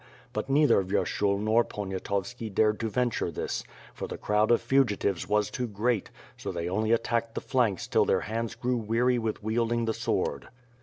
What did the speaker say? But neither Vyershul nor Poniatovski dared to venture this, for the crowd of fugi tives was too great, so they only attacked the flanks till their hands grew weary with wielding the sword.